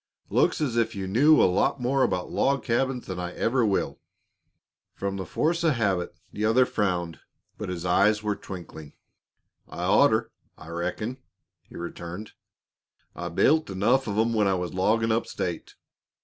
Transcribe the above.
"Looks as if you knew a lot more about log cabins than I ever will." From force of habit the other frowned, but his eyes were twinkling. "I'd orter, I reckon," he returned. "I built enough of 'em when I was loggin' up state.